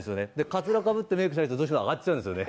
かつらかぶってメークしないと、どうしてもあがっちゃうんですよね。